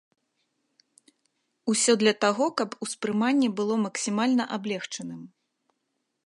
Усё для таго, каб успрыманне было максімальна аблегчаным.